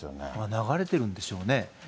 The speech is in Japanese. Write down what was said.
流れてるんでしょうね。